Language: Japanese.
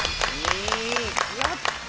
やった！